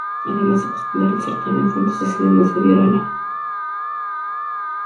Además de posponer el certamen, Fuentes decidió no seguir a la.